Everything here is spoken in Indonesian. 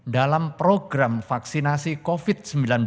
dalam program vaksinasi covid sembilan belas